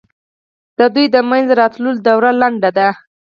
د دوی د منځته راتلو دوره لنډه ده.